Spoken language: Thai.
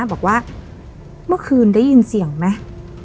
บอกว่าเมื่อคืนได้ยินเสียงไหม